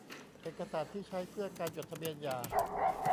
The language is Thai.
เอกสารที่ใช้เพื่อการจดทะเบียนหย่า